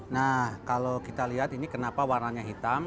nah kalau kita lihat ini kenapa warnanya hitam